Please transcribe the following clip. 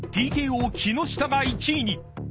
［ＴＫＯ木下が１位に］